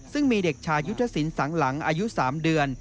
ซึ่งมีเด็กชายยุทธศิลปสังหลังอายุ๓เดือน